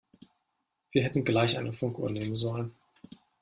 Wir hätten gleich eine Funkuhr nehmen sollen.